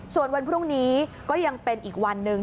ส่วนวันพรุ่งนี้ก็ยังเป็นอีกวันหนึ่ง